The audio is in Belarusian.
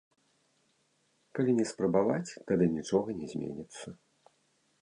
Калі не спрабаваць, тады нічога не зменіцца.